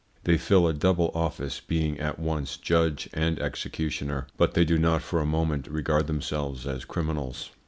They fill a double office, being at once judge and executioner, but they do not for a moment regard themselves as criminals.